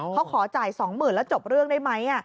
เขาขอจ่ายสองหมื่นบาทแล้วจบเรื่องได้ไหม